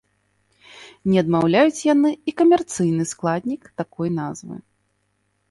Не адмаўляюць яны і камерцыйны складнік такой назвы.